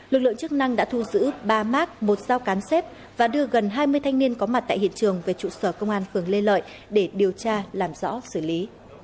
lực lượng chức năng đã thu giữ ba mác một dao cán xếp và đưa gần hai mươi thanh niên có mặt tại hiện trường về trụ sở công an phường lê lợi để điều tra làm rõ xử lý